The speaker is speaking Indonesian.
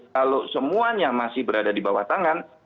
kalau semuanya masih berada di bawah tangan